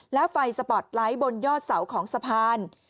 แล้วไฟสปอร์ตไลท์บนยอดเสาของสะพาน